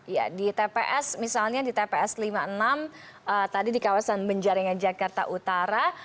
ya di tps misalnya di tps lima puluh enam tadi di kawasan penjaringan jakarta utara